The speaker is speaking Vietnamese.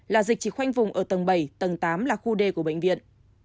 là dịch chỉ khoanh vùng ở tầng bảy tầng tám là khu d của bệnh viện